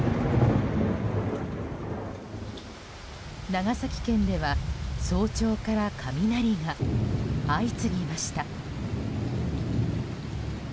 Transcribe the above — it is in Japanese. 長崎県では早朝から雷が相次ぎました。